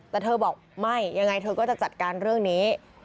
แต่เธอบอกไม่ยังไงเธอก็จะจัดการเรื่องนี้